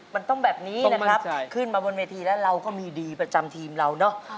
มันต้องแบบนี้นะครับขึ้นมาบนเวทีแล้วเราก็มีดีประจำทีมเราเนอะ